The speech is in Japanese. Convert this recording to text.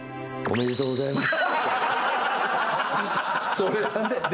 おめでとうございますって。